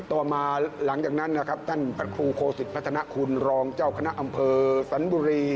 ต่อมาหลังจากนั้นนะครับท่านพระครูโคสิตพัฒนาคุณรองเจ้าคณะอำเภอสันบุรี